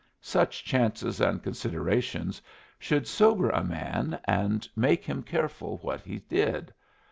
Such chances and considerations should sober a man and make him careful what he did.